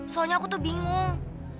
soalnya aku tuh bingung